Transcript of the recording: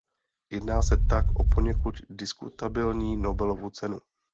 Jedná se tak o poněkud diskutabilní Nobelovu cenu.